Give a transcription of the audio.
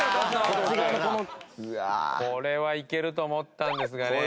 これはいけると思ったんですがね。